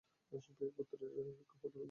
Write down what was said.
গোত্রের ঐক্যে ফাটল সৃষ্টি করেছে।